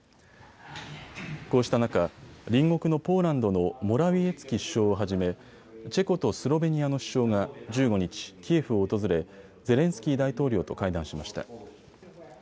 こうした中、隣国のポーランドのモラウィエツキ首相をはじめチェコとスロベニアの首相が１５日、キエフを訪れゼレンスキー大統領と会談しました。